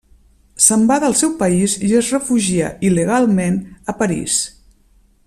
Se’n va del seu país i es refugia il·legalment a París.